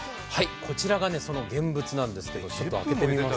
こちらがその現物なんですけど開けてみます。